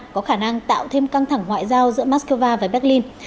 có khả năng tạo thêm căng thẳng ngoại giao giữa moscow và berlin